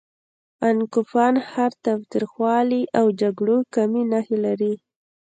ان کوپان ښار تاوتریخوالي او جګړو کمې نښې لري.